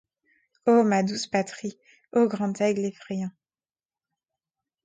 O ma douce patrie, ô grand aigle effrayant !